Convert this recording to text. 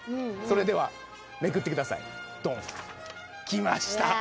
それではめくってくださいドン。来ました